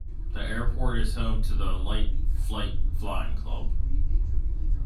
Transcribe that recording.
The airport is home to the Light Flight Flying Club.